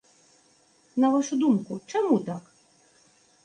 На вашу думку, чаму так?